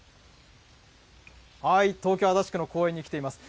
東京・足立区の公園に来ています。